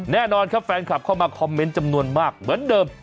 แน่นอนครับแฟนคลับเข้ามาคอมเมนต์จำนวนมากเหมือนเดิม